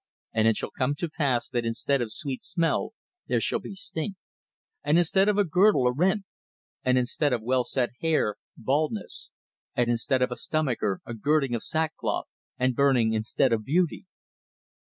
And it shall come to pass that instead of sweet smell there shall be stink; and instead of a girdle a rent; and instead of well set hair, baldness; and instead of a stomacher a girding of sackcloth; and burning instead of beauty.'"